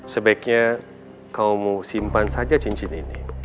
sebaiknya kamu simpan saja cincin ini